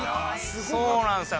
そうなんですよ。